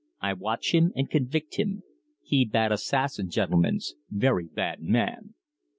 "I watch him and convict him. He bad assassin, gentlemens very bad man!"